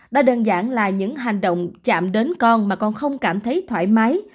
đã đơn giản là những hành động chạm đến con mà con không cảm thấy thoải mái